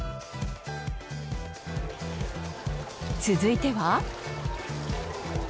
続いては。